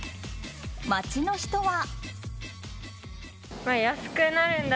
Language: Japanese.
街の人は。